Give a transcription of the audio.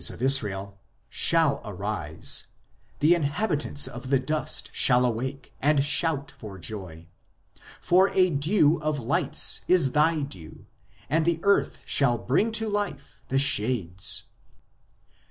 of Israel] shall arise : the inhabitants of the dust shall awake, and shout for joy ; for a dew of lights is thy dew, and the earth shall bring to life the shades."